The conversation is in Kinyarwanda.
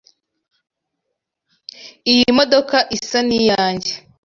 Iyi modoka isa niyanjye.